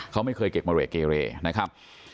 เขาไม่เคยเก็บมะเรกเกเรนะครับ